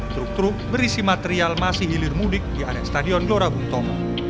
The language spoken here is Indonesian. truk truk berisi material masih hilir mudik di area stadion gelora bung tomo